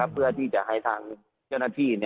เพื่อที่จะให้ทางเจ้าหน้าที่